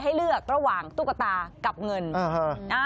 ให้เลือกระหว่างตุ๊กตากับเงิน